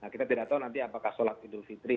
kita tidak tahu nanti apakah sholat idul fitri